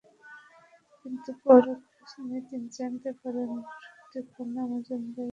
কিন্তু পরে খোঁজ নিয়ে তিনি জানতে পারেন সুপ্তিকনা মজুমদার ভুল তথ্য দিয়েছেন।